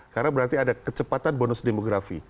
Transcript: karena berarti ada kecepatan bonus demografi